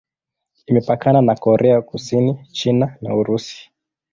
Imepakana na Korea Kusini, China na Urusi.